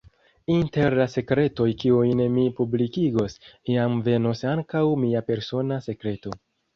Inter la sekretoj kiujn mi publikigos, iam venos ankaŭ mia persona sekreto.